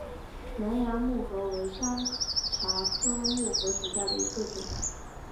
南洋木荷为山茶科木荷属下的一个种。